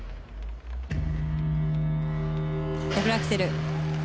ダブルアクセル。